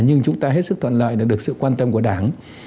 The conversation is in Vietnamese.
nhưng chúng ta hết sức thuận lợi được sự quan tâm của đảng